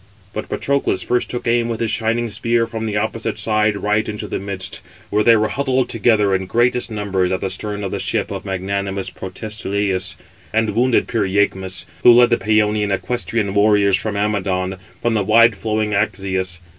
But Patroclus first took aim with his shining spear from the opposite side right into the midst, where they were huddled together in greatest numbers at the stern of the ship of magnanimous Protesilaus, and wounded Pyræchmes, who led the Pæonian equestrian warriors from Amydon, from the wide flowing Axius.